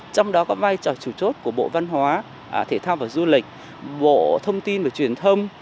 trong đó có vai trò chủ chốt của bộ văn hóa thể thao và du lịch bộ thông tin và truyền thông